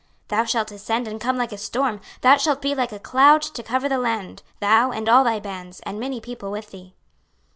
26:038:009 Thou shalt ascend and come like a storm, thou shalt be like a cloud to cover the land, thou, and all thy bands, and many people with thee.